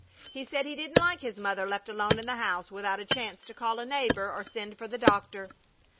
He said he didn't like his mother left alone in the house without a chance to call a neighbor or send for the doctor.